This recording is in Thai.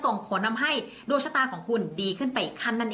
ส่งผลทำให้ดวงชาวราศีมีนดีแบบสุดเลยนะคะ